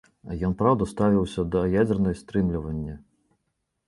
Ён, праўда, ставіўся да ядзернай стрымліванні.